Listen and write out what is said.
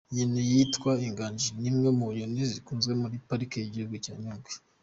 Inyoni yitwa Inganji ni imwe mu nyoni zikunzwe muri Pariki y’igihugu ya Nyungwe.